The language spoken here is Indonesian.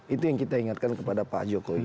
itu yang kita ingatkan kepada pak jokowi